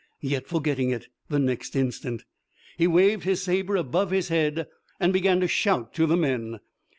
Yet, forgetting it the next instant, he waved his saber above his head, and began to shout to the men.